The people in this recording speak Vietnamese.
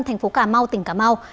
thành phố cà mau